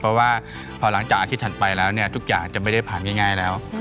เพราะว่าพอหลังจากอาทิตย์ถัดไปแล้วเนี่ยทุกอย่างจะไม่ได้ผ่านง่ายแล้ว